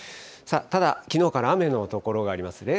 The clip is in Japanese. さあ、ただきのうから雨の所があります。